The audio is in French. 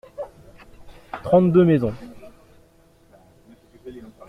Trente-deux maisons.